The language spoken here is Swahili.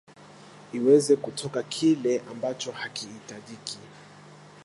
iweze kutoka kile ambacho hakihitajiki